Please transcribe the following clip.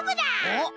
おっ！